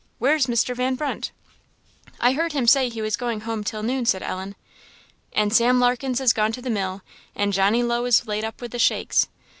Where's Mr. Van Brunt?" "I heard him say he was going home till noon," said Ellen. "And Sam Larkens is gone to the mill and Johnny Low is laid up with the shakes.